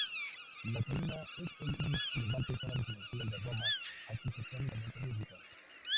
La colina es hoy una elegante zona residencial de Roma arquitectónicamente muy rica.